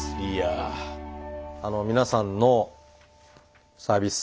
あの皆さんのサービス